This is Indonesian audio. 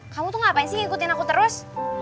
kamu tuh ngapain sih ngikutin aku terus